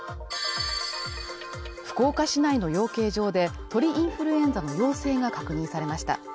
福岡市内の養鶏場で鳥インフルエンザの陽性が確認されました。